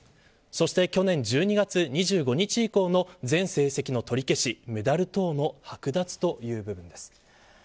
そして去年１２月２５日以降の全成績の取り消しメダル等のはく奪という部分です。